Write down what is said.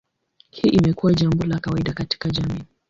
Hii imekuwa jambo la kawaida katika jamii.